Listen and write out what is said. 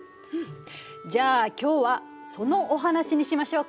じゃあ今日はそのお話にしましょうか。